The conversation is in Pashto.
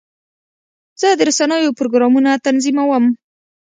زه د رسنیو پروګرامونه تنظیموم.